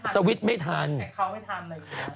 สวิทช์ไม่ทันแอบเค้าไม่ทันอะไรอยู่แล้ว